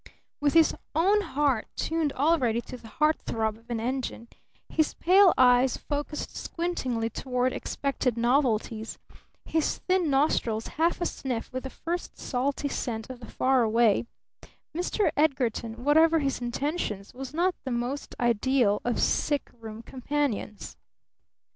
With his own heart tuned already to the heart throb of an engine, his pale eyes focused squintingly toward expected novelties, his thin nostrils half a sniff with the first salty scent of the Far Away, Mr. Edgarton, whatever his intentions, was not the most ideal of sick room companions.